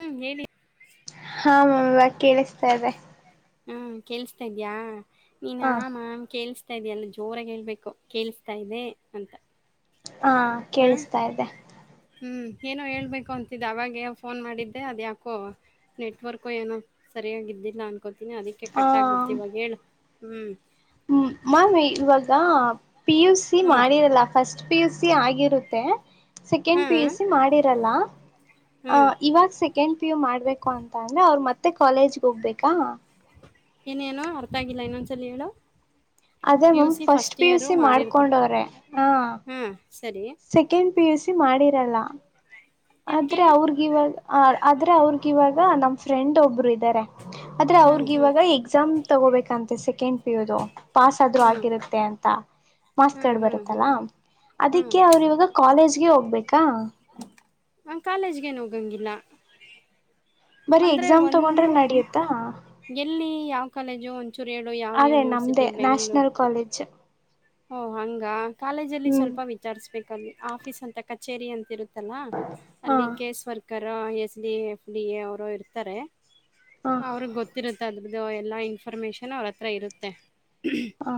ಹ್ಮ್, ಹೇಳಿ? [inaudible] ಹ, ವಾ, ಕೇಳಿಸ್ತಾ, ಇದೆ! [unintelligible] ಹ್ಮ, ಕೇಲ್ಸ್ತಾ, ಇದ್ಯಾ, ನೀನ್, ಮಾವ, ಹಾ ಕೇಳಿಸು. [inaudible] ಇದೆ, ಎಲ್ಲ, ಜೋರಾಗಿ, ಹೇಳ್ಬೇಕು, ಕೇಳಿಸ್ತಾ ಇದೆ, ಅಂತ. [inaudible] ಹಾ, ಹ ಕೇಳಿಸ್ತಾ! ಇದೆ. [unintelligible] ಹ್ಮ್ ಏನೋ, ಹೇಳಬೇಕು! ಅನುತ್ತಿದೆ, ಅವಗೇ, ಫೋನ್, ಮಾಡಿದ್ದೆ, ಅದು ಯಾಕೋ ನೆಟ್ವರ್ಕು ಏನೋ! ಸರಿಯಾಗಿದ್ದಿಲ್ಲಾನ. [unintelligible] ಕೊಡುತ್ತೀನಿ, ಕಟ್ಟಾಗ್ಬಿಟ್ಟಿದು, ಇವಾಗ, ಹೇಳು, ಹ್ಮ್. [unintelligible] ಹ್ಮ, ಮ್ಯಾಮ್, ಇವಾಗ ಪಿ, ಯು, ಸಿ. ಹ್ಮ್ ಮಾಡಿರಲ್ಲ ಫಸ್ಟ್? [inaudible] P, U, C. ಆಗಿರುತ್ತೆ! ಹಾ ಸೆಕೆಂಡ್, ಪಿ, ಯು, ಸಿ ಹಾ ಮಾಡಿರಲ್ಲ. [unintelligible] ಆ, ಇವಾಗ, ಸೆಕೆಂಡ್, ಪಿ, ಯು. ಮಾಡ್ಬೇಕು ಅಂತ, ಅಂದ್ರೆ, ಅವ್ರರು, ಮತ್ತ. [inaudible] ಮತ್ತೆ ಕಾಲೇಜ್ಗೆ ಹೋಗ್ಬೇಕಾ ಏನೇನೋ ಅರ್ಥ ಆಗಿಲ್ಲ ಇನ್ನೊಂದ್ಸಲ ಹೇಳು ಅದೇ P U ma'am C first P U year C ಮಾಡಿರ್ತ ಮಾಡ್ಕೊಂಡವ್ರೆ ಹ ಹಾ ಸರಿ. [inaudible] ಪಿಯುಸಿ, ಮಾಡಿರಲ್ಲ. [inaudible] ಯಾಕೆ ಆದ್ರೆ, ಅವರ್ಗೀವಾಗ, ಆದ್ರೆ, ಅವಾರುವಾಗ ನಮ್, ಫ್ರೆಂಡ್, ಒಬ್ರು. [inaudible] ಆದ್ರೆ, ಹ್ಮ್ ಹ್ಮ್ ಅವರ್ಗೀವಾಗ, ಎಕ್ಸಾಮ್ ತಗೋಬೇಕಂತೆ ಸೆಕೆಂಡ್, ಪಿಯುದು, ಪಾಸ್ ಆದ್ರೂ ಹ್ಮ್ ಆಗಿರದ. [unintelligible] ಅಧ್ಯಂತಾ, ಹ್ಮ್ ಮಾರ್ಕ್ಸ್ಕಾರ್ಡ್, ಹ್ಮ್ ಬರುತ್ತಲ್ಲ, ಹ್ಮ್ ಹ್ಮ್ ಅದಕ್ಕೆ ಅವರು, ಇವಾಗ ಕಾಲೇಜ್. [inaudible] ಒಟ್ಟಿಗೆ, ಹೋಗ್ಬೇಕಾ? [inaudible] ನಾನು, ಕಾಲೇಜ್ಗೆ, ಏನ್, ಹೋಗಂಗಿಲ್ಲ! [inaudible] ಬರೀ, ಅಂದರೆ ಎಕ್ಸಾಮ್, ತಗೊಂಡ್ರೆ, ಒಂದು ನಡಿಯತ್ತಾ. [inaudible] ಎಲ್ಲಿ, ಯಾವ, ಕಾಲೇಜು? ಒಂಚೂರು, ಏಳು, ಯಾವ, ಅದೇ ನಮ್ದೇ ಯೂನಿವರ್ಸಿಟಿ, ಬೆಂಗು. [inaudible] ನ್ಯಾಷನಲ್ ಕಾಲೇಜ್ ಓ, ಹಂಗ, ಕಾಲೇಜಲ್ಲಿ! ಹ್ಮ್ ಸ್ವಲ್ಪ, ವಿಚಾರಿಸುಬೇಕವಲಿ, ಆಫೀಸ್ ಅಂತ ಕಚೇರಿ, ಅಂತಿರುತ್ತ! [inaudible] ಇತ್ತಲ್ಲಾ, ಹಾ ಅಲ್ಲಿ, case, worker, S, D, F, D. A, ಅವರು ಇರ್ತಾರೆ! ಹಾ [unintelligible] ಅವ್ರಿಗೆ, ಗೊತ್ತಿರುತ್ತೆ! ಅದ್ರದ್ದು ಎಲ್ಲ, ಇನ್ಫ್ರಿಮೇಷನ್, ಅವ್ರ, ಹತ್ರ ಇರುತ್ತೆ? [inaudible] ಹಾ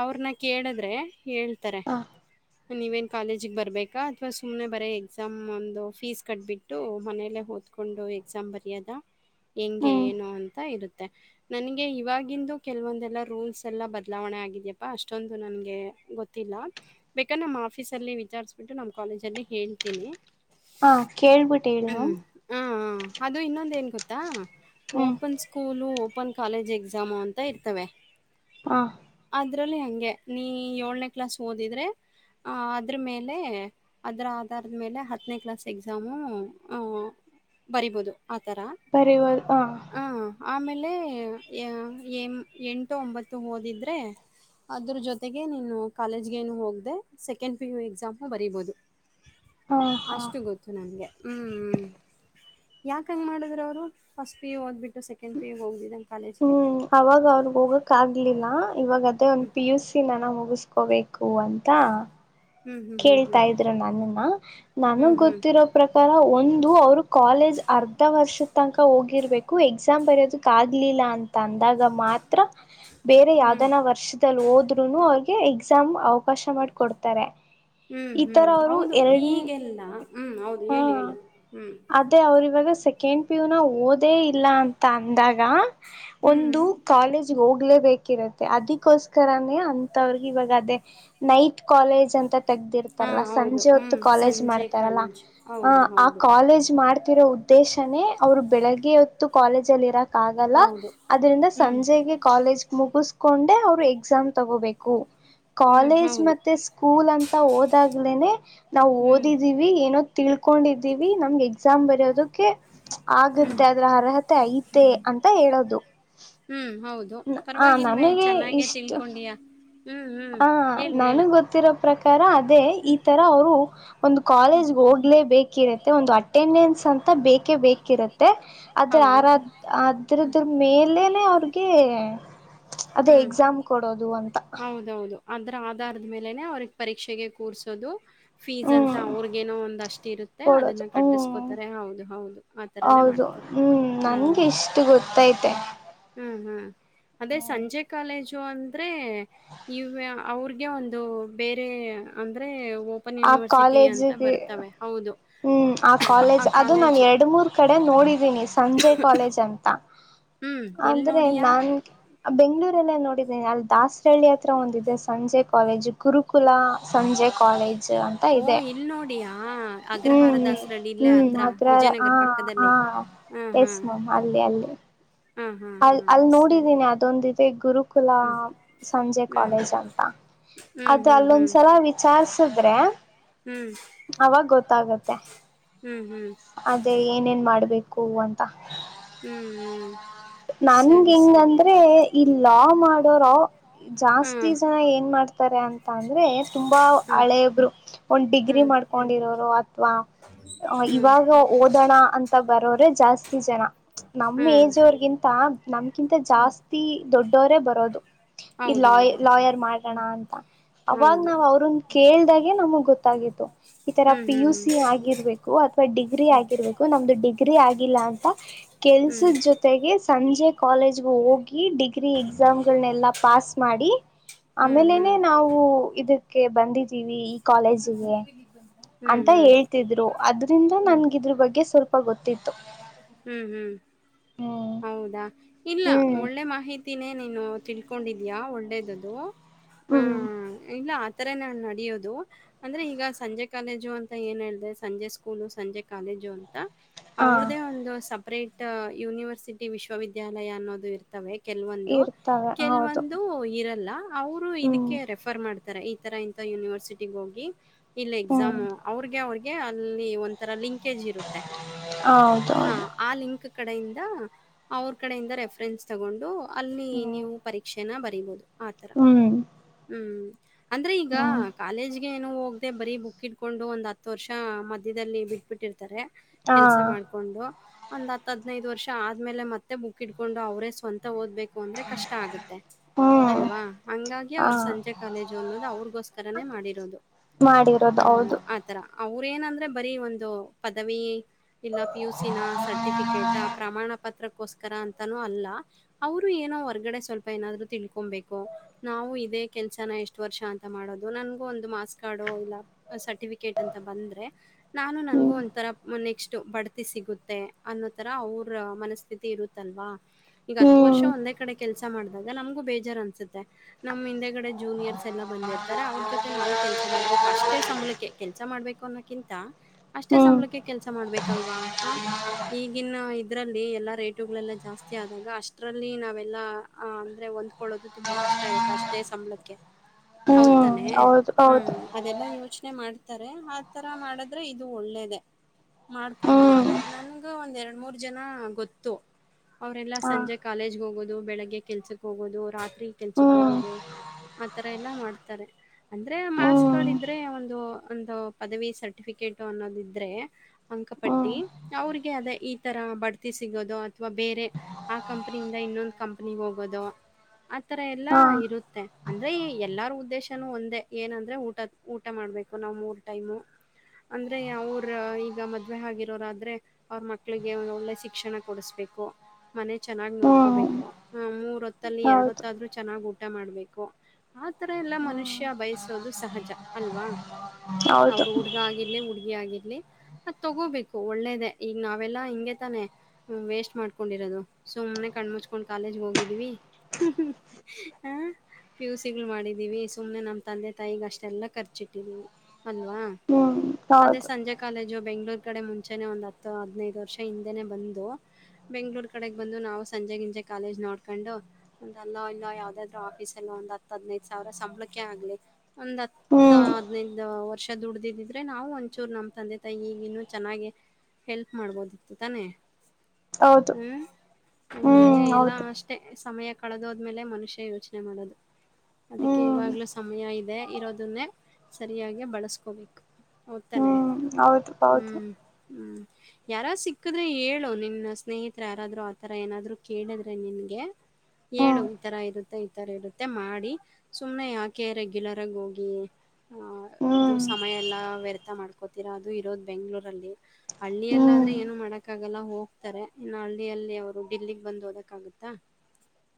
ಅವ್ರನ್ನ, ಕೇಳಿದ್ರೆ, ಹೇಳ್ತಾರೆ? ಹಾ [unintelligible] ನೀವೇನ್, ಕಾಲೇಜಿಗೆ! ಬರ್ಬೇಕಾ ಅಥವಾ ಸುಮ್ನೆ, ಬರೇ, ಎಕ್ಸಾಮ್, ಒಂದು, ಫೀಸ್ ಕಟ್ಬಿಟ್ಟು, ಮನೇ, ಓ.. [inaudible] ಕುಂತುಕೊಂಡು, ಎಕ್ಸಾಮ, ಬಾರಿಯಾಗಾ, ಹೆಂಗೆ ಹ್ಮ್ ಏನು, ಅಂತ, ಇರುತ್ತೆ? [inaudible] ನನಗೆ, ಇವಾಗಿಂದು, ಕೆಲವೊಂದೆಲ್ಲಾ! ರೂಲ್ಸ್ ಎಲ್ಲಾ, ಬದಲಾವಣೆ, ಆಗಿದಪ್ಪಾ, ಅಷ್ಟೇ. [inaudible] ಅಷ್ಟೊಂದು, ನನಗೆ, ಗೊತ್ತಿಲ್ಲ! ಬೇಕಂದ್ರೆ ನಮ್ಮ ಆಫೀಸಲ್ಲಿ, ವಿಚಾರಿಸ್ಬಿಟ್ಟು, ನಮ್ಮ, ಕಾಲೇಜಲ್ಲಿ ಹೇಳ್ತೀನಿ. ಹಾ ಕೇಳ್ಬಿಟ್ಟು [inaudible] ಹೇಳು ಹ್ಮ್, ಹ, ಅದು, ಇನ್ನೊಂದು, ಏನ್ ಗೊತ್ತ. [inaudible] ಆತಾ, ಹ್ಮ್ open, school, open, college exam, ಅಂತ, ಇರ್ತವೆ? [inaudible] ಹಾ. [inaudible] ಹಾಂಗೆ, ನೀ, ಏಳನೇ, ಕ್ಲಾಸ್, ಓದಿದ್ರೆ. [inaudible] ಆ, ಅದ್ರ, ಮೇಲೆ, ಅದರ, ಆಧಾರದ, ಮೇಲೆ ಹತ್ತನೇ, ಕ್ಲಾಸ್, ಎಕ್ಸಾಮು. [inaudible] ಬರಿಬೋದು. [inaudible] ಬಾರಿಬೋಹುದು. [inaudible] ಆ ಆಮೇಲೆ, ಅ, ಏ, ಎಂಟು, ಒಂಬತ್ತು, ಓದಿದರೆ. [inaudible] ಅದ್ರ, ಜೊತೆಗೆ, ನೀನು ಕಾಲೇಜ್ ಏನು? ಹೋಗೂಧೇ, ಸೆಕೆಂಡ್, ಪಿ, ಯು. ಎಕ್ಸಾಮು ಬರೀಬಹುದು. ಹಾ [inaudible] ಹಾ ಅಷ್ಟು, ಗೊತ್ತು ನನ್ಗೆ. [inaudible] ಮ್ಮ್, ಯಾಕೆ, ಹಂಗೆ, ಮಾಡಿದರು, ಫಸ್ಟ್, ಪಿ, ಯು. ಓದ್ಬಿಟ್ಟು, ಸೆಕೆಂಡ್, ಪಿ, ಯು, ಹೋಗದೆ. [inaudible] ಹ್ಮ್, ಅವಾಗ, ಅವರು, ಹೋಗೋಕೆ, ಆಗ್ಲಿಲ್ಲ, ಇವಾಗ, ಅದೇ, ಒಂದ್, ಪಿ ಯು, ಸಿ, ನಾವು. [inaudible] ಮುಗಿಸ್ಕೊಬೇಕು ಅಂತ. [inaudible] ಹ್ಞೂ ಹ್ಞೂ ಹ್ಞೂ ಹ್ಞೂ ಕೇಳ್ತಾ, ಇದ್ರು ನನ್ನನ್ನ, ಹ್ಞೂ ನನಗ್, ಹ್ಞೂ ಗೊತ್ತಿರೋ! ಪ್ರಕಾರ, ಒಂದು ಅವರು ಕಾಲೇಜ್. [inaudible] ಅರ್ಧ, ವರ್ಷ, ತನಕ, ಹೋಗಿರ್ಬೇಕು, ಎಕ್ಸಾಮ್ ಬರೆಯೋದಕ್, ಆಗ್ಲಿಲ್ಲ, ಅ. [inaudible] ಅಂತ, ಅಂದಾಗ ಮಾತ್ರ, ಬೇರೆ ಹ್ಞೂ ಯಾವ್ದನ ವರ್ಷದಲ್ಲಿ, ಹೋದ್ರುನು, ಅವ. [inaudible] ಹೇ, ಎಕ್ಸಾಮ್, ಅವಕಾಶ, ಮಾಡಕೊಡ್ತಾರೆ. [inaudible] ಹ್ಮ್, ಈ ತರ ಹ್ಮ್, ಅವರು ಹೌದು! ಎರಡ್ ಈಗೆಲ್ಲ, ಹ್ಮ್, ಹೌದು, ಹೇಳು ಹ ಹೇಳು, ಹ್ಮ್. [inaudible] ಅದೇ ಅವ್ರ ಇವಾಗ ಸೆಕೆಂಡ್, ಪಿಯುನ, ಓದೇ ಇಲ್ಲ, ಅಂತ ಅಂದಾಗ, ಒಂದು, ಹ್ಮ್ ಕಾಲೇಜ್, ಹೋಗಿ? [inaudible] ಕ್ಲೂವ್, ಬೇಕಿರುತ್ತೆ, ಅದಕ್ಕೋಸ್ರ, ಅಂತವ್ರಿಗೆ! ಇವಾಗ, ಅದೇ, ನೈಟ್, ಕಾಲೇಜ್, ಅಂತ. [inaudible] ಹಾ ತೆಗ್ದಿರ್ತಾರಲ್ಲ ಹೌದು ಸಂಜೆ ಹೊತ್ತು ಹ್ಮ್ ಕಾಲೇಜ್ ಸಂಜೆ ಮಾಡ್ತಾರಲ್ಲಾ ಕಾಲೇಜ್ ಆ ಹೌದು ಆ ಹೌದು ಕಾಲೇಜ್ ಮಾಡ್ತಿರೋ ಉದ್ದೇಶನ ಅವ್ರು ಬೆಳಗ್ಗೆ ಕಾಲೇಜ ಅಲ್ಲಿ ಇರಕ್ ಆಗಲ್ಲ ಹೌದು ಅದ್ರಂದ ಹ್ಮ್ ಸಂಜೆಗೆ ಕಾಲೇಜ ಮುಗ ಅವ್ರು ಎಕ್ಸಾಮ್ ತಗೋಬೇಕು ಹ್ಮ್ ಕಾಲೇಜ್ ಹೌದು ಮತ್ತೆ ಸ್ಕೂಲ್ ಅ ಓದಾಗ್ಲೇನೆ ನಾವು ಹ್ಮ್ ಓದಿದೀವಿ ಏನೋ ತಿಳ್ಕೊಂಡಿದ್ದೀವಿ ನಮ್ಗೆ ಎಕ್ಸಾಮ್ ಬರೆಯೋದು ಆಗುತ್ತೆ ಅದ್ರ ಅರ್ಹತೆ ಐತೆ ಅಂತ ಹೇಳೋದು ಹ್ಮ್ ಹೌದು ಆ ಪರವಾಗಿಲ್ವ ಚೆನ್ನಾಗೆ ತಿಳ್ಕೊಂಡಿಯ ಹ ನಾನುಗ್ ಗೊತ್ತಿರೋ ಪ್ರಕಾರ ಅದೇ ಈ ತರ ಅವರು ಒಂದು ಕಾಲೇಜ್ ಹೋಗ್ಲೇ ಬೇಕಿರತ್ತೆ ಒಂದು ಅಟೆಂಡೆನ್ಸ್ ಅಂತ ಬೇಕೇ ಬೇಕಿರುತ್ತೆ ಅದ್ರ ಹೌದು ಸಾರಧು, ಆದರಿಂದು, ಮೇಲೆನೆ. [inaudible] ಅದುಕ್ಕೆ, ಅದೇ ಹ್ಮ್ ಎಕ್ಸಾಮ್, ಕೊಡೋದು, ಅಂತ. [inaudible] ಅಂದ್ರ, ಆಧಾರದ, ಮೇಲೆನೆ, ಅವ್ರಿಗೆ! ಪರೀಕ್ಷೆಗೆ ಕೂರ್ಸೋದು. [inaudible] ಫೀಸ್ ಅಂತ ಹ್ಮ್ ಅವ್ರಗೇನೋ ಒಂದ್ಷ್ಟ್ ಇರುತ್ತೆ ಅದನ್ನ ಕೊಡೋದು ಹ್ಮ್ ಕಟ್ಟಸ್ಕೊತಾರೆ ಹೌದು ಹೌದು ಆ ತರನೇ ಹೌದು ಮಾಡ್ತಾರೆ ಹ್ಮ್ ನನ್ಗೆ ಹ್ಮ್. ಇಷ್ಟು ಗೊತ್ತೈತೆ ಹ್ಮ್ ಹ್ಮ್ ಅದೇ ಸಂಜೆ ಕಾಲೇಜು ಅಂದ್ರೆ ಇ ಅವ್ರಗೆ ಒಂದು ಬೇರೆ ಅಂದ್ರೆ ಓಪನ್ ಆ ಯೂನಿವರ್ಸಿಟಿ ಅಂತ ಕಾಲೇಜಗೆ ಬರ್ತವೆ. ಹೌದು. ಹ್ಮ್ ಆ ಆ ಕಾಲೇಜ್ ಅದು ನಾನ ಕಾಲೇಜು. ಎರಡು ಮೂರ್ ಕಡೆ ನೋಡಿದೀನಿ ಸಂಜೆ ಕಾಲೇಜ್ ಅಂತ ಹ್ಮ್. ಎಲ್ ಆದ್ರೆ ನೋಡಿಯಾ? ನನ್ ಬೆಂಗಳೂರಲ್ಲ ನೋಡಿದ್ದನಿ ಅಲ್ಲಿ ದಾಸರಹಳ್ಳಿ ಹತ್ರ ಒಂದಿದೆ ಸಂಜೆ ಕಾಲೇಜು ಗುರುಕುಲ ಸಂಜೆ ಕಾಲೇಜ್ ಅಂತ ಇದೆ ಓಹ್! ಇಲ್ ನೋಡಿಯಾ? ಅಗ್ರಹಾರ ಹ್ಮ್ ಹ್ಮ್ ದಾಸರಳ್ಳಿ ಇಲ್ಲೇ ಹ್ಮ್ ಹತ್ರ ಹ ವಿಜಯನಗರ ಹ ಪಕ್ಕದಲ್ಲಿ. ಹಾ, ಎಸ್ ಹಾ. ಮ್ಯಾಮ್ ಅಲ್ಲಿ ಅಲ್ಲಿ ಹಾ ಹಾ ಅ ಹಾ ಅಲ್ಲಿ ನೋಡಿದ್ದೀನಿ ಅದೊಂದ ಇದೆ ಗುರು ಕುುಲ ಸಂಜೆ ಕಾಲೇಜ್ ಸರಿ ಅಂತ ಹ್ಮ್ ಹ್ಮ್ ಅದು ಹ್ಮ್ ಹ್ಮ್ ಹ್ಮ್ ಅಲ್ಲೊಂದ್ಸಲ ವಿಚಾರಸಿದ್ರೆ ಹ್ಮ್ ಅವಾಗ ಗೊತ್ತಾಗತ್ತೆ ಹ್ಮ್ ಹ್ಮ್ ಅದೇ ಏನೇನ್ ಮಾಡ್ಬೇಕು ಅಂತ ಹ್ಮ್ ಹ್ಮ್ ನನ್ಗೆ ಹೆಂಗ ಅಂದ್ರೆ ಇ ಲಾ ಮಾಡೋರ ಜಾಸ್ತಿ ಹ್ಮ್ ಜನ ಏನ್ ಮಾಡ್ತ ಇರ್ತಾರೆ ಅಂತ ಅಂದ್ರೆ ತುಂಬಾ ಹ್ಮ್ ಹಳೆಯಬ್ರು ಒಂದ್ ಡಿಗ್ರಿ ಹ್ಮ್ ಮಾಡ್ಕೊಂಡಿರೋರು ಅಥವಾ ಹ್ಮ್ ಇವಾಗ ಓದೋಣ ಅಂತ ಬರೋ್ರೆ ಜಾಸ್ತಿ ಜನ ನಮ್ಮ ಹ್ಮ್ ಏಜ್ ಅವರ್ಗಿಂತ ನಮ್ಕಿಂತ ಜಾಸ್ತಿ ದೊಡ್ಡವರೇ ಬರೋದು ಇ ಲಾಯ ಹೌದೌದು ಲಾಯರ್ ಮಾಡೋಣ ಅಂತ ಅವಾಗ್ ಹೌದು ನಾವ್ ಅವ್ರನ್ ಕೇಳ್ದಾಗೆ ನಮಗ್ ಗೊತ್ತಾಗಿತ್ತು ಈತರ ಹ್ಮ್ ಪಿ ಯು ಹ್ಮ್ ಸಿ ಆಗಿರ್ಬೇಕು ಅ ಅಥವಾ ಡಿಗ್ರಿ ಆಗಿರ್ಬೇಕು ನಮ್ದು ಡಿಗ್ರಿ ಆಗಿಲ್ಲ ಅಂತ ಹ್ಮ್ ಕೆಲ್ಸದ ಜೊತೆಗೆ ಸಂಜೆ ಕಾಲೇಜ್ಗ ಹೋಗಿ ಡಿಗ್ರಿ ಎಕ್ಸಾಮ್ಗಳನ್ನನೆಲ್ಲಾ ಪಾಸ್ ಮಾಡಿ ಹ್ಮ್ ಹ್ಮ್ ಆಮೇಲೇನೆ ಹ್ಮ್ ನಾವು ಇದಕ್ಕೆ ಬಂದಿದ್ದೀವಿ ಕಾಲೇಜಗೆ ಹ್ಮ್ ಅಂತ ಹ್ಮ್ ಹೇಳ್ತಿದ್ರು ಅದ್ರಿಂದ ನನ್ಗೆ ಇದ್ರ ಬಗ್ಗೆ ಸ್ವಲ್ಪ ಗೊತ್ತತ್ತು ಹ್ಮ್ ಹ್ಮ್ ಹ್ಮ್ ಹೌ ಹೌದಾ ಇಲ್ಲ ಹ್ಮ್ ಒಳ್ಳೆ ಮಾಹಿತಿನೇ ನೀನು ತಿಳ್ಕೊಂಡಿದೀ್ಯಾ ಒಳ್ಳೇದ್ದು ಹ್ಮ್ ಹ್ಮ ಇಲ್ಲ ಆತರ ನಾನ್ ನಡಿಯೋದು ಅಂದ್ರೆ ಈಗ ಸಂಜೆ ಕಾಲೇಜು ಅಂತ ಏನ್ ಹೇಳಿದೆ ಸಂಜೆ ಸ್ಕೂಲು ಸಂಜೆ ಕಾಲೇಜು ಅಂತ ಹಾ ಅವ್ರ್ದೇ ಒಂದು ಸಪ್ರೇಟ್ ಯೂನಿವರ್ಸಿಟಿ ವಿಶ್ವವಿದ್ಯಾಲಯ ಅನ್ನೋದು ಇರ್ತವೆ ಕೆಲ್ವೊಂದು ಇರ್ತವೆ ಹೌದು ಕೆಲ್ವೊಂದು ಇರಲ್ಲ ಅವರು ಹ್ಮ್ ಇದಕ್ಕೆ ರೆಫರ್ ಮಾಡ್ತ ಈ ತರ ಇಂತ ಯೂನಿವರ್ಸಿಟಿಗ ಹೋಗಿ ಇಲ್ಲ ಹ್ಮ್ ಎಕ್ಸಾಮ್ ಅವ್ರಗೆ ಅವ್ರಿಗೆ ಅ ಒರ ಲಂಕಜ್ ಹೌದೌದು ಇಂ ಕಡೆಯಿಂದ ಅವ್ರ ಕಡೆಯಿಂದ ರೆಫರೆನ್ಸ್ ತಗೊಂಡು ಅಲ್ಲಿ ಹ್ಮ್ ನೀವು ಪರೀಕ್ಷೆನ ಬರೀಬಹುದು ಆತರ ಹ್ಮ್ ಹ್ಮ್ ಅಂದ್ರೆ ಈಗ ಹ್ಮ್ ಕೇಜ್ಗೆ ಏನ ಹೋಗದೆ ಬರೀ ಬುಕ್ ಇಡ್ಕೊಂಡು ಒಂದ್ ಹತ್ತು ವರ್ಷ ಮಧ್ಯದಲ್ಲಿ ಬಿಟ್ಬಿಟ್ಟಿರ್ತಾರೆ ಹಾ ಕೆಲ್ಸ ಮಾಡ್ಕೊಂಡು ಒಂದ್ ಹತ್ ಹದ್ನೈದು ವರ್ಷ ಆದ್ಮೇಲೆ ಮತ್ತೆ ಬುಕ್ ಇಡ್ಕೊಂಡು ಅವರೇ ಸ್ವಂತ ಓದ್ಬೇಕು ಅಂದ್ರೆ ಕಷ್ಟ ಆಗತ್ತೆ ಹ್ಮ್ ಅಲ್ವಾ ಹಂಗಾಗಿ ಹಾ ಅವರು ಸಂಜೆ ಕಾಲೇಜು ಅನ್ನೋದು ಅವ್ರಿಗೋಸ್ಕರ.. ಮಾಡಿರೋದು ಮಾಡಿರೋದು ಹ್ಮ್ ಹೌದು ಆತರ.. ಅವರ ಏನಂದ್ರೆ ಬರೀ ಒಂದು ಪದವಿ.. ಇಲ್ಲ ಪಿ ಯುಸ ನ ಸರ್ಟಿಫಿಕೇಟ್ ಪ್ರಮಾಣ ಪತ್ರ.. ಸ್ರ ಅಂತಾನೂ ಅಲ್ಲ ಅವರು ಏನೋ ಹೊರ್ಗಡೆ ಸ್ವಲ್ಪ ಏನಾದ್ರು ತಿಳ್ಕೊಬೇಕು ನಾವು ಇದೇ.. ಕೆಲ್ಸನ ಎಷ್ಟು ವರ್ಷ ಅಂತ ಮಾಡೋದು.. ನಗೂ ಒಂದು ಮಾಸ್ ಕಾರ್ಡ್ ಇಲ್ಲ ಸರ್ಟಿಫಿಕೇಟ್ ಅಂತ ಬಂದ್ರೆ ನಾನು ನಗೂ ಹ್ಮ್ ಒರ.. ನೆಕ್ಸ್ಟ್ ಬಡ್ತಿ ಸಿಗುತ್ತೆ ಅನ್ನೋ ತರ ಅವ್ರ ಮನಸ್ಥಿತಿ ಇರುತ್ತಲ್ವಾ.. ಈಗ ಹತ್ತು ವರ್ಷ ಹ್ಮ್ ಒಂದೇ ಕಡೆ ಕೆಲ್ಸ ಮಾಡಿದಾಗ ನಮ್ಗೂ ಬೇಜಾರ್ ಅನ್ಸುತ್ತೆ ನಮ್ ಹಿಂದೆ ಕಡೆ ಜೂನಿಯರ್ಸ್ ಎಲ್ಲಾ ಬಂದಿರ್ತಾರೆ.. ರ ಅವ್ರ ಜೊತೆ ನಾವು ಕೆಲಸ ಮಾಡ್ಬೇಕು ಅಷ್ಟೇ ಸಂಬಳಕ್ಕೆೆ ಕೆಲ್ಸ ಮಾಡ್ಬೇಕು ಅನ್ನೋಕಿಂತ ಅಷ್ಟೇ ಹ್ಮ್ ಸಂಬಳಕ್ಕೆೆ ಕೆಲ್ಸ ಮಾಡ್ಬೇಕಲ್ವಾ ಹ ಈಗಿನ ಇದ್ರಲ್ಲಿ ಎಲ್ಲಾ ರೇಟುಗಳೆಲ್ಲ ಜಾಸ್ತಿ ಆದಾಗ ಅಷ್ಟರಲ್ಲಿ ನಾವೆಲ್ಲಾ ಅಂದ್ರೆ.. ಹೊಂದ್ಕೊಳ್ಳೋದು ತುಂಬಾ ಕಷ್ಟ ಇರುತ್ತೆ ಅಷ್ಟೇ ಸಂಬಳಕ್ಕೆ.. ಹ್ಮ್ ಹೌದತಾನೆ ಹೌದು ಹ್ಮ್ ಹೌದು ಅದೆಲ್ಲಾ ಯೋಚನೆ.. ಮಾಡ್ತಾರೆ ಆತರ ಮಾಡದ್ರೆ ಇದು ಒಳ್ಳೇದ.. ಹಾ ಮಾಡ್ಕೊಬೇಕು ಹ್ಮ್ ನನ್ಗ ಒಂದ್ ಎರಡ್ ಮೂರ್ ಜನ ಗೊತ್ತು.. ಅವರೆೆಲ್ಲ ಸಂಜೆ ಕಾಲೇಜ್ಗೆ ಹೋಗೋದು ಬೆಳಿಗ್ಗೆ ಕೆಲ್ಸಕ್ಕೆ ಹೋಗೋದು ರಾತ್ರಿ ಕೆಲ್ಸಕ್ ಹೋಗೋದು.. ಆತರ ಎಲ್ಲಾ ಮಾಡ್ತ.. ಇತ ಅಂದ್ರೆ ಮಾಸ್ ಕಾರ್ಡ್ ಹ್ಮ್ ಇದ್ರೆ ಒಂದು ಒಂದು ಪದವಿ ಸರ್ಟಿಫಿಕೇಟ್ ಅನ್ನೋದ ಇದ್ರೆ.. ಅಂಕ ಪಟ್ಟಿ ಹ್ಮ್ ಅವ್ರಿಗೆ ಅದೇ ಈ ತರ ಬಡ್ತಿ ಸಿಗೋದು ಅಥವಾ ಬೇರೆ ಆಕ.. ಕಂಪನಿಯಿಂದ ಇನ್ನೊಂದು ಕಂಪನಿ ಹೋಗೋದು ಆತರ ಎಲ್ಲಾ ಹಾ ಇರುತ್ತೆ ಅಂದ್ರೆ ಎಲ್ಲಾರ.. ಉ ದೇಶನುೂ ಒಂದೇ ಏನಂದ್ರೆ ಊಟ ಊಟ ಮಾಡ್ಬೇಕು ನಾವ್ ಮೂರ್ ಟೈಮು.. ಅಂದ್ರೆ ಅವ್ರ ಈಗ ಮದ್ವೆ ಆಗಿರೋರಾದ್ರೆ ಅವ್ರ ಮಕ್ಳಿಗೆ ಒ ಒಳ್ಳೆ ಶಿಕ್ಷಣ ಕೊಡಸ್ಬೇಕು.. ಮನೆ ಚೆನ್ನಾಗಿ ಹ್ಮ್ ನೋಡ್ಕೋಬೇಕು ಮೂರತ್.. ತ್ತಲ್ಲಿ ಎರಡ ಹೌದು ಹೊತ್ತಾದ್ರು ಚೆನ್ನಾಗ್ ಊಟ ಮಾಡ್ಬೇಕು ಆರ.. ಅಲ್ಲ ಹ್ಮ್ ಮನುಷ್ಯ ಬಯಸೋುದು ಸಹಜ ಅಲ್ವಾ ಹೌದು ಅವ್ರು ಹುಡುಗ ಆಗರ್ಲಿ ಹುಗ.. ತಗೋಬೇಕು ಒಳ್ಳೇದ ಈಗ ನಾವೆಲ್ಲಾ ಹಿಗೆ ತ ವೇಸ್ಟ್ ಮಾಡ್ಕೊಂಡಿರ.. ಸುಮ್ನೆ ಕಣ ಮುಚ್ಕೊಂಡ್ ಕಾಲೇಜ ಹೋಗಿದ್ವಿ.. ಪಿುಸಿಗಳು ಮಾಡಿದೀವಿ ಸುಮ್ನೆ ನಮ್ ತಂದೆ ತಾಯಿಗ ಅಷ್ಟೆಲ್ಲ ಖರ್ಚಿಟ್ಟಿದೀವಿ ಅಲ್ವಾ.. ಹ್ಮ್ ಅದೇ ಹೌದು ಸಂಜೆ ಕಾಲೇಜ.. ಬೆಂಗ್ಗಳೂರ್ ಕಡೆ ಮುಂಚೆನೆ ಒಂದ್ ಹತ್ತು ಹದ್ನೈದು ವರ್ಷ ಹಿಂದೆನೆ ಬಂದು.. ಬೆಂಗ್ಗಳೂರ್ ಕಡೆ ಬಂದು ನಾವು ಸಂಜೆ ಗಿಂಜೆ ಕಾಲೇಜ್ ನೋಡ್ಕೊಂಡು ಒಲ್ಲ ಇಲ್ಲ ಯಾವದಾದ್ರು ಆಫೀಸ್ ಎಲ್ಲ.. ಹ.. ಸಾವಿರ ಸಂಬಳಕ್ಕೆ ಆಗ್ಲಿ ಒಂದ್ ಹತ್ತು ಹ್ಮ್ ಹದ್ನೈದು ವರ್ಷ ದುಡ್ದಿದಿದ್ರೆ ನಾವು ಒಂಚೂರು ನ.. ನಮ್ಮ ತಂದೆ ತಾಯಿ ಈಗ ಇನ್ನುೂ ಚೆನ್ನಾಗೆ ಹೆಲ್ಪ್ ಮಾಡ್ಬೋದಿತ್ತು ತಾನೆ.. ಹೌದು ಹ್ಮ್ ನಂಗೆ ಹ್ಮ್ ಎಲ್ಲ ಹೌದು ಅಷ್ಟೆ ಸಮಯ.. ಕಳೆದೋದ್ಮೇಲೆ ಮನುಷ್ಯ ಯೋಚನೆ ಮಾಡೋದು.. ಅದಕ್ಕೆ ಹ್ಮ್ ಇವಾಗ್ಲೂ ಸಮಯ ಇದೆ ಇರೋದನ್ನೇ ಸರಿಯಾಗಿ ಬಳಸ್ಕೋಬೇಕು.. ತಾನೆ ಹ್ಮ್ ಹೌದು ಹೌದು ಹ್ಮ್ ಹ್ಮ್.. ಯಾರ ಸಿಕ್ಕಿದ್ರೆ ಹೇಳು ನಿನ್ನ ಸ್ನೇಹಿತರ ಯಾರಾದ್ರು ಆತರ ಏನಾದ್ರು ಕೇಳಿದ್ರೆ ನಿನ್ಗೆ.. ಹೇಳಏು ಹ್ಮ್ ಈ ತರ ಇರುತ್ತೆ ಈತರ ಇರುತ್ತೆ ಮಾಡಿ.. ಸುಮ್ನೆ ಯಾಕೆ ರೆಗ್ಯುಲರ್ ಆಗ ಹೋಗಿ.. ಹಹ ಇದು ಹ್ಮ್ ಸಮಯ ಎಲ್ಲ ವ್ಯರ್ಥ ಮಾಡ್ಕೋತೀರಾ ಅದು ಇರೋದು ಬೆಂಗ್ಳೂರಲ್ಲಿ ಹಳ್ಳಿಯ ಎಲ್ಲ.. ಆದ್ರೆ ಹ್ಮ್ ಏನು ಮಾಡಕ್ಕ ಆಗಲ್ಲ ಹೋಗ್ತಾರೆ ಇನ್ನು ಹಳ್ಳಿಯಲ್ಲಿ ಅವ್ರು ಡಿಲ್ಲಿಗ್ ಬಂದ್ ಓದಕ್ ಆಗುತ್ತಾ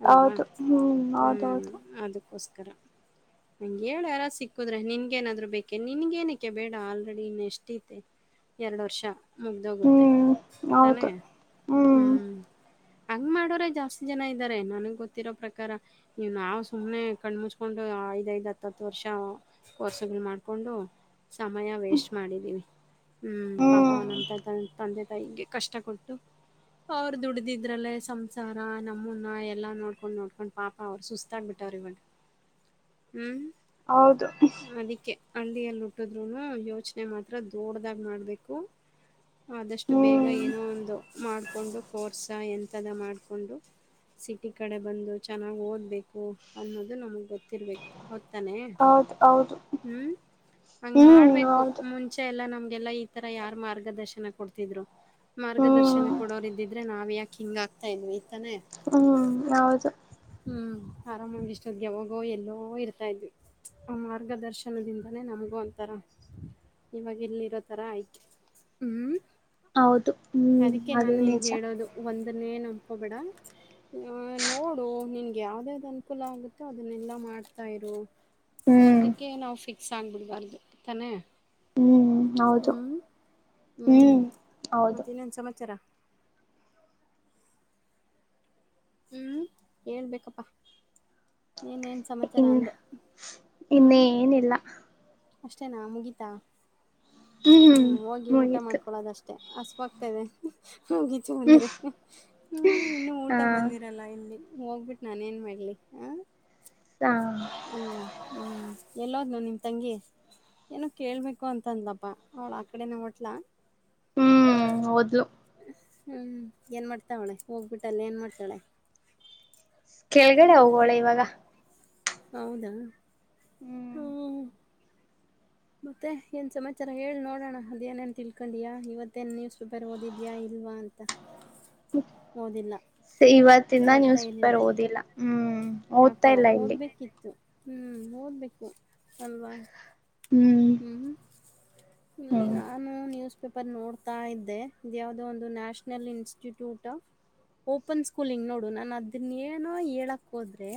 ಹೌದು ಹ್ಮ್ ಹೌದ ಹೌದು.. ಕ್ಕೋಸ್ಕರ. ನಂಗ ಹೇಳ ಯಾರ ಸಿಕ್ಕುದ್ರೆ ನಿನ್ಗೇಏನಾದ್ರು ಬೇಕೇ ನಿನ್ಗೇಏನಕ್ಕೆ ಬೇಡ ಆಲ್ರೆಡಿ ಇನ್ ಎಷ್ಟಐತೆ.. ಎರಡು ವರ್ಷ ಮುಗ್ದೋಗುತ್ತೆ ಹ್ಮ್ ತಾನೇ ಹೌದು ಹ್ಮ್.. ಹಂಗ್ ಮಾಡೋರ ಜಾಸ್ತಿ ಜನ ಇದ್ದಾರೆ ನನಗ್ ಗೊತ್ತಿರೋ ಪ್ರಕಾರ ಇ ನಾವ್ ಸುಮ್ನೆ.. ಕಣ ಮುಚ್ಕೊಂಡು ಐದಐದ್ ಹತ್ತತ್ತು ವರ್ಷ ಕೋರ್ಸಗಳು ಮಾಡ್ಕೊಂಡು ಸಮಯ ವೇಸ್ಟ್ ಮಾಡಿದೀವಿ ಹ್ಮ್ ಪಾಪ ನಮ್ಮ ತ ತಂದೆ ತಾಯಿಗೆ ಕಷ್ಟ ಕೊಟ್ಟು ಅವ್ರ ದುಡ್ದಿದ್ರಲ್ಲೇ ಸಂಸಾರ ನಮ್ಮನ್ನ ಎಲ್ಲಾ ನೋಡ್ಕೊಂಡ್ ನೋಡ್ಕೊಂಡ್ ಪಾಪ ಅವ್ರು ಸುಸ್ತ ಆಗ್ಬಿಟ್ಟವ್ರ ಇವ ಹ್ಮ್ ಹೌದು ಅದಕ್ಕೆ ಹಳ್ಳಿಯಲ್ಲಿ ಹುಟ್ಟಿದ್ರುನು ಯೋಚನೆ ಮಾತ್ರ ದೊಡ್ದಾಗ ಮಾಡ್ಬೇಕು ಆದಷ್ಟು ಬೇಗ ಹ್ಮ್ ಏನೋ ಒಂದು ಮಾಡ್ಕೊಂಡು ಕೋರ್ಸ ಎಂತದ ಮಾಡ್ಕೊಂಡು ಸಿಟಿ ಕಡೆ ಬಂದು ಚೆನ್ನಾಗ್ ಓದ್ಬೇಕು ಅನ್ನೋದು ನಮಗ್ ಗೊತ್ತಿರ್ಬೇಕು ತಾನೆ ಹೌದು ಹೌದು ಹ್ಮ್ ಹಂಗ್ ಹ್ಮ್ ಮಾಡ್ಬೇಕು ಹೌದು ಮುಂಚೆ ಎಲ್ಲಾ ನಮ್ ಲ್ಲ ಈ ತರ ಯಾರ್ ಮಾರ್ಗದರ್ಶನ ಕೊಡ್ತಿದ್ರು ಹ್ಮ್ ಮಾರ್ಗದರ್ಶನ ಕೊಡೋರ ಇದಿದ್ರೆ ನಾ.. ಯಾಕ ಹಂಗ ಆಗ್ತಾ ಇದ್ವಿ ಇತಾನೆ. ಹ್ಮ್ ಹೌದು.. ಹ್ಮ್ ಆರಾಮಾಗಿ ಇಷ್ಟೊದ್ ಯಾವಾಗೋ ಎಲ್ಲೋ ಇರ್ತಾ ಇದ್ವಿ ಆ ಮಾರ್ಗದರ್ಶನದಿಂದಾನೇ ನಮಗೂ ಒಂಥರ ಇವಾಗ ಎಲ್ಲಿರೋಥರ ಆಯ್ಕೆ ಹ್ಮ್ ಹೌದು ಹ್ಮ್ ಅದು ನಿಜ ಅನ್ನೇ ನಂಬಕೋಬೇಡ ನೋಡು ನಿನ್ಗೆ ಯಾವದೇಾವ್ದ್ ಅನುಕೂಲ ಆಗುತ್ತೆ ಅದನ್ನೆಲ್ಲಾ ಮಾಡ್ತಾ ಇರು ಹ್ಮ್ ಒಂದಕ್ಕೆ ನಾವು ಫಿಕ್ ಸಾಂಗ್ ಬಿಡ್ಬಾರ್ದು ತಾನೇ ಹ್ಮ್ ಹೌದು ಹ್ಮ್ ಹ್ಮ್ ಹೌದು ಮತ್ತೆ ಇನ್ನೊಂದು ಸಮಾಚಾರ ಹ್ಮ್ ಹೇಳ್ಬೇಕಪ್ಪಾ ಏನೇನ್ ಸಮಾಚಾರ ಇನ್ ಅಂದೆ ಇನ್ನ ಹ್ಮ್ ಏನಿಲ್ಲ ಅಷ್ಟೇನಾ ಮುಗಿತಾ ಹ್ಮ್ ಹ್ಞೂ ಹೋಗಿ ಊಟ ಮುಗೀತು ಮಾಡ್ಕೊೊಳ್ಳೋದಷ್ಟೇ ಹಸವಾಗ್ತಾ ಇದೆ ಗೀಚ ಬಂದ್ರೆ ಹ್ಮ ಇನ್ನು ಊಟ ಹಾ ಇತ ಬಂದಿರಲ್ಲ ಇಲ್ಲಿ ಹೋಗ್ಬಿಟ್ಟು ನಾನ ಏನ್ ಮಾಡ್ಲಿ ಹ ಹ ಅಲ್ವಾ ಹ್ಮ್ ಎಲ್ಲೋ ಇ ನಿಮ್ಮ ತಂಗಿ ಏನೋ ಕೇೇಳಬೇಕು ಅಂತ ಅಂದಲಪ್ಪ ಅವಳ ಆ ಕಡೆನ ಹೊಟ್ಲ ಹ್ಮ್ ಹೌದು ಹ್ಮ ಏನ್ ಮಾಡ್ತಾತಾವಳೆ ಹೋಗ್ಬಿಟ್ಟಲ್ಲ ಏನ್ ಮಾಡಾ್ತಾಳೆ ಕೆಳಗಡೆ ಹೋಗೋಳೆ ಇವಾಗ ಹೌದಾ ಹ್ಮ್ ಮತ್ತೆ ಏನ್ ಸಮಾಚಾರ ಹೇಳಿ ನೋಡೋಣ ಅದೇಏನೇನ್ ತಿಳ್ಕೊಂಡಿಯಾ ಇವತ್ತೇನ್ ನ್ಯೂಸ್ ಪೇಪರ್ ಓದಿದ್ಯಾ ಇಲ್ಲ ಂತ ಇವತ್ತಿಂದ ಓದ್ತಾ ನ್ಯೂಸ್ ಇಲ್ಲ ಪೇಪರ್ ಓದಿಲ್ಲ ಹ್ಮ್ ಯಾಕೋ ಓದ್ತಾ ಇಲ್ಲ ಇಲ್ಲಿ ಓದ್ಬೇಕಿತ್ತು ಹ್ಮ್ ಓದ್ಬೇಕು ಅಲ್ವಾ ಹ್ಮ್ ಇಲ್ಲಿ ಹ್ಮ್ ನಾನು ನ್ಯೂಸ್ ಪೇಪರ್ ನೋಡ್ತಾ ಇದೆ ಇದ ಯಾವವುದೋ ಒಂದು ನ್ಯಾಷನಲ್ ಇನ್ಸ್ಟಿಟ್ಯೂಟ್ ಓಪನ್ ಸ್ಕೂಲಿಂಗ್ ನೋಡು ನಾನ ಅದನ್ನ ಏನೋ ಹೇಳಕ್ ಹೋದ್ರೆ